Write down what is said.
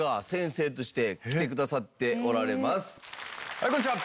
はいこんにちは。